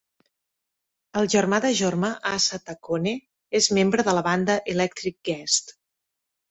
El germà de Jorma, Asa Taccone, és membre de la banda Electric Guest.